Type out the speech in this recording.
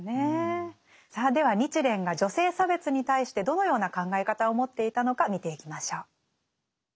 さあでは日蓮が女性差別に対してどのような考え方を持っていたのか見ていきましょう。